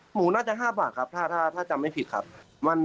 น่าจะ๕บาทครับถ้าจำไม่ผิดครับ